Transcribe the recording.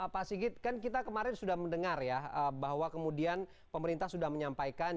pak sigit kan kita kemarin sudah mendengar ya bahwa kemudian pemerintah sudah menyampaikan